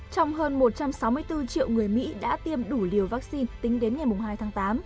trong hơn một trăm sáu mươi bốn triệu người mỹ đã tiêm đủ liều vaccine tính đến ngày hai tháng tám